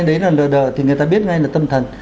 đấy là đờ đờ thì người ta biết ngay là tâm thần